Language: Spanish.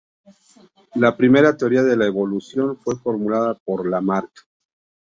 La primera teoría de la evolución fue formulada por Lamarck.